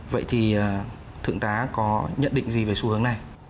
vậy thì thượng tá có nhận định gì về xu hướng này